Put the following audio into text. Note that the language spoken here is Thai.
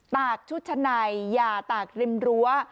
ตากชุดชั้นในอย่าตากริมรั้ว